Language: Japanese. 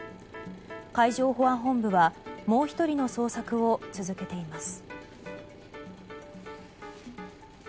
海上保安本部はもう１人の捜索を続けています。